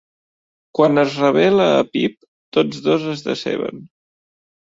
Quan es revela a Pip, tots dos es deceben.